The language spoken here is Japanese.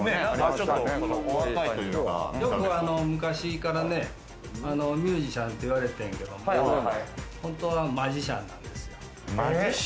よく昔からね、ミュージシャンって言われてんけど、本当はマジシャンなんですよ。